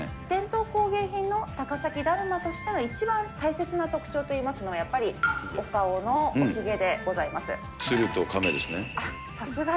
伝統工芸品の高崎だるまとしての一番大切な特徴といいますのは、やっぱりお顔のおひげでございます。